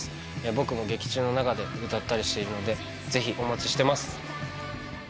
僕も劇中の中で歌ったりしているのでぜひお待ちしてます